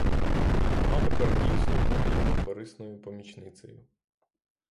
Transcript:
Вона тепер дійсно буде йому корисною помічницею.